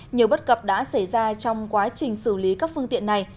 nhiều bất cập đã xảy ra trong quá trình xử lý các phương tiện này